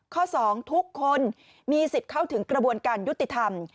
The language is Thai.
๒ทุกคนมีสิทธิ์เข้าถึงกระบวนการยุติธรรม